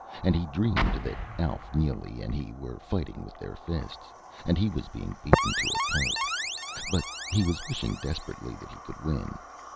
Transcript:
And he dreamed that Alf Neely and he were fighting with their fists. And he was being beaten to a pulp. But he was wishing desperately that he could win.